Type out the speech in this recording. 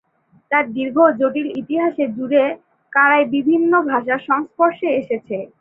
তার দীর্ঘ ও জটিল ইতিহাস জুড়ে কারায় বিভিন্ন ভাষার সংস্পর্শে এসেছে।